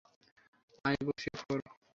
আয় বসে পড়।